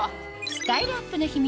スタイルアップの秘密